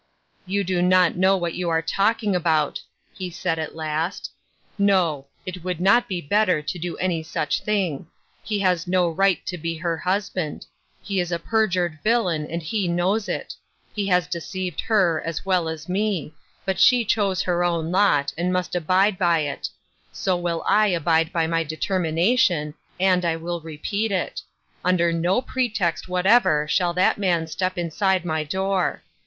" You do not know what you are talking about," he said at last. " No ; it would not be better to do any such thing. He has no right to be her husband ; he is a perjured villain, and he knows it ; he has deceived her as well as me, but she chose her own lot, and must abide by it ; so will I abide by my determination, and I re "o, mamma! good by !" 281 peat it : under no pretext whatever shall that man step inside my door.